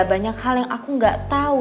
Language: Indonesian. banyak hal yang aku gak tau